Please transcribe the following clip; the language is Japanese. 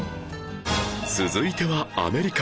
続いてはアメリカ